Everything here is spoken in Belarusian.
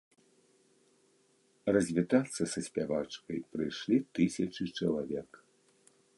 Развітацца са спявачкай прыйшлі тысячы чалавек.